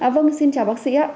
vâng xin chào bác sĩ ạ